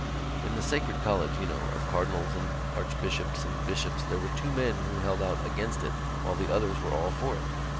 "In the sacred college, you know, of cardinals and archbishops and bishops there were two men who held out against it while the others were all for it.